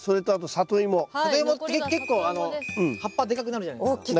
サトイモって結構葉っぱデカくなるじゃないですか。